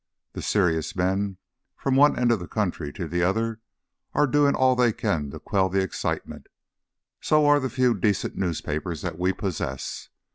The serious men from one end of the country to the other are doing all they can to quell the excitement; so are the few decent newspapers that we possess.